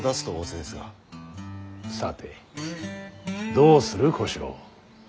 さてどうする小四郎。